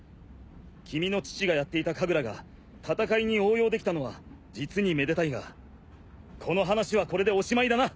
君の父がやっていた神楽が戦いに応用できたのは実にめでたいがこの話はこれでおしまいだな。